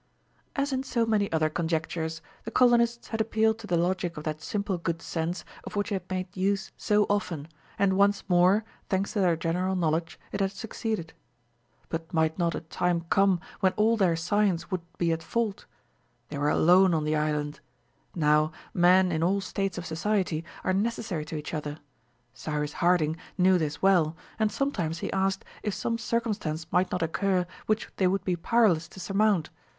As in so many other conjectures, the colonists had appealed to the logic of that simple good sense of which they had made use so often, and once more, thanks to their general knowledge, it had succeeded! But might not a time come when all their science would be at fault? They were alone on the island. Now, men in all states of society are necessary to each other. Cyrus Harding knew this well, and sometimes he asked if some circumstance might not occur which they would be powerless to surmount.